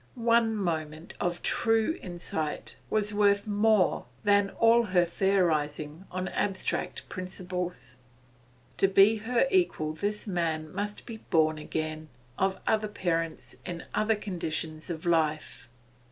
One moment of true insight was worth more than all her theorising on abstract principles. To be her equal this man must be born again, of other parents, in other conditions of life.